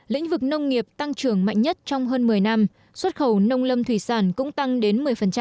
lĩnh vực nông nghiệp tăng trưởng mạnh nhất trong hơn một mươi năm xuất khẩu nông lâm thủy sản cũng tăng đến một mươi